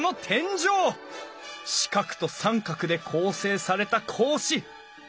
四角と三角で構成された格子。